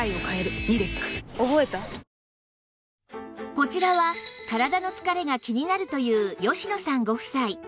こちらは体の疲れが気になるという吉野さんご夫妻